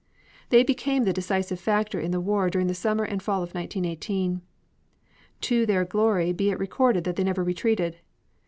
They became the decisive factor in the war during the summer and fall of 1918. To their glory be it recorded they never retreated.